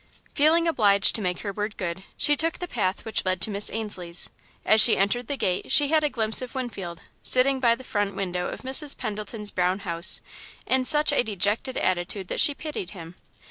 Feeling obliged to make her word good, she took the path which led to Miss Ainslie's. As she entered the gate, she had a glimpse of Winfield, sitting by the front window of Mrs. Pendleton's brown house, in such a dejected attitude that she pitied him.